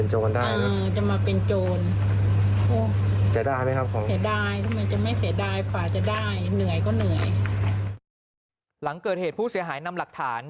หลังเกิดเหตุผู้เสียหายนำหลักฐาน